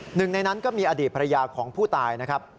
หนึ่งในนั้นก็มีอดีตภรรยาของผู้ตายนะครับ